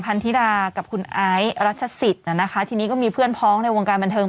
พันธิดากับคุณไอซ์รัชศิษย์นะคะทีนี้ก็มีเพื่อนพ้องในวงการบันเทิง